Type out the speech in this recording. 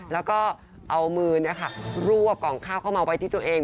แล้วก็เอามือรวบกล่องข้าวเข้ามาไว้ที่ตัวเอง